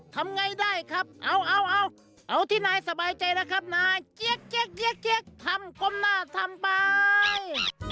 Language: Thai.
ทำไงได้ครับเอาเอาที่นายสบายใจแล้วครับนายเจี๊ยกทำก้มหน้าทำไป